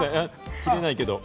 切れないけれども。